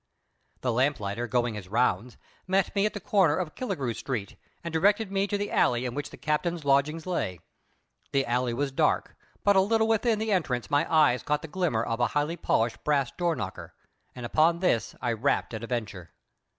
The lamplighter, going his rounds, met me at the corner of Killigrew Street and directed me to the alley in which the captain's lodgings lay. The alley was dark, but a little within the entrance my eyes caught the glimmer of a highly polished brass door knocker, and upon this I rapped at a venture.